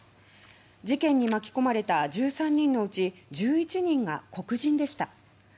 事件に巻き込まれた１３人のうち１１人が黒人でした。